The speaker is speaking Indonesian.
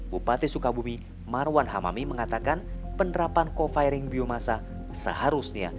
bupati sukabumi marwan hamami mengatakan penerapan co firing biomasa seharusnya